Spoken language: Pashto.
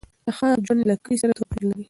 د ښار ژوند له کلي سره توپیر لري.